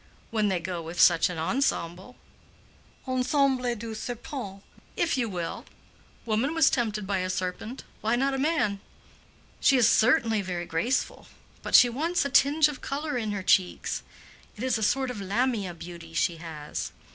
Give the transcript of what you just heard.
"When they go with such an ensemble." "The ensemble du serpent?" "If you will. Woman was tempted by a serpent; why not man?" "She is certainly very graceful; but she wants a tinge of color in her cheeks. It is a sort of Lamia beauty she has."